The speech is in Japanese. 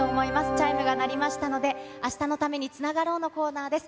チャイムが鳴りましたので、明日のために、つながろうのコーナーです。